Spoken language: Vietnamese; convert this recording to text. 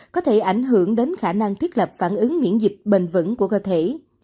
có thể ảnh hưởng đến khả năng thiết lập phản ứng miễn dịch bền vững của cơ thể